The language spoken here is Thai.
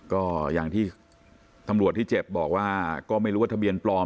ก็อย่างที่ตำรวจที่เจ็บบอกว่าก็ไม่รู้ว่าทะเบียนปลอม